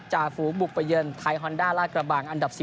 จาฝูกบุกเปยื่อนไทหอนดาลาคราบาลอันดับ๑๖